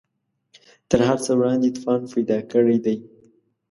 تر هر څه وړاندې توان پیدا کړی دی